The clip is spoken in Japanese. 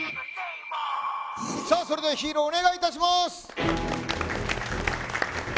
さあそれではヒーローお願いいたします！